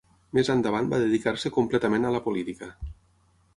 Més endavant va dedicar-se completament a la política.